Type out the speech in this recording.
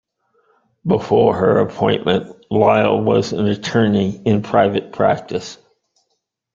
Before her appointment, Lyle was an attorney in private practice.